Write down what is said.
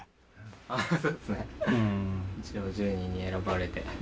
一応１０人に選ばれて。